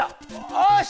よし！